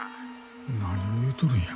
何を言うとるんや？